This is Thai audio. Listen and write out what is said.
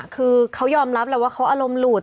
คือเขายอมรับแล้วว่าเขาอารมณ์หลุด